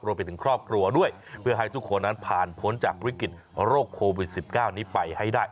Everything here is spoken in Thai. รวมไปถึงครอบครัวด้วยเพื่อให้ทุกคนนั้นผ่านพ้นจากวิกฤตโรคโควิด๑๙นี้ไปให้ได้